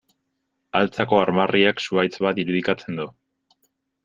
Altzako armarriak zuhaitz bat irudikatzen du.